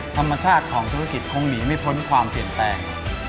ธรรมชาติของธุรกิจคงหนีไม่พ้นความเปลี่ยนแปลง